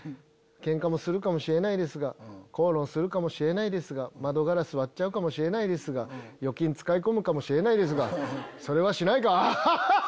ケンカもするかもしれないですが口論するかもしれないですが窓ガラス割っちゃうかもしれないですが預金使い込むかもしれないですがそれはしないか！